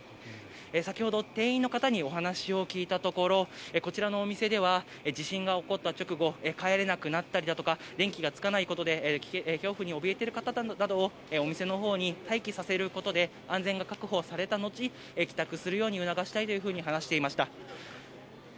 先ほど、店員の方にお話を聞いたところこちらのお店では地震が起こった直後帰れなくなったりだとか電気がつかないことで恐怖におびえている方などをお店のほうに待機させることで安全が確保されたのちに帰宅するように促したいと話していました。